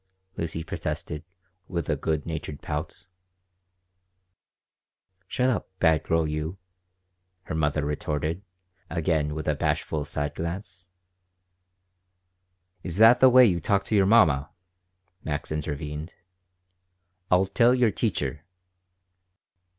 Lucy protested, with a good natured pout "Shut up, bad girl you," her mother retorted, again with a bashful side glance "Is that the way you talk to your mamma?" Max intervened. "I'll tell your teacher."